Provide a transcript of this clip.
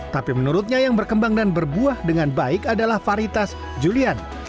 tapi menurutnya yang berkembang dan berbuah dengan baik adalah varitas julian